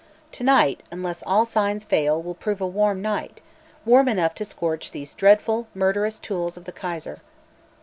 To night, unless all signs fail, will prove a warm night warm enough to scorch these dreadful, murderous tools of the Kaiser!"